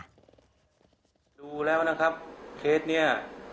ดูแล้วนะครับเคสนี้